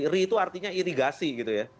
re itu artinya irigasi gitu ya